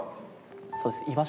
そうです。